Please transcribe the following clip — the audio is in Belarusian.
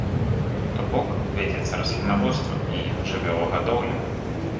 То бок вядзецца раслінаводства і жывёлагадоўля.